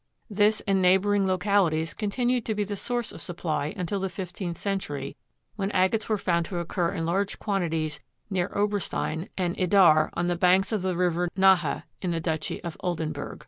This and neighboring localities continued to be the source of supply until the fifteenth century, when agates were found to occur in large quantities near Oberstein and Idar on the banks of the river Nahe, in the duchy of Oldenburg.